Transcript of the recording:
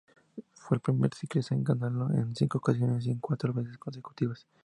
Fue el primer ciclista en ganarlo en cinco ocasiones y en cuatro veces consecutivas.